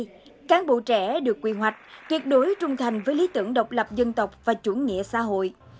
các bộ trẻ được quy hoạch tuyệt đối trung thành với lý tưởng độc lập dân tộc và chủ nghĩa xã hội